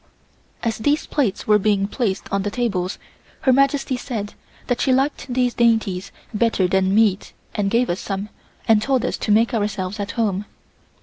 As these plates were being placed on the tables Her Majesty said that she liked these dainties better than meat and gave us some and told us to make ourselves at home.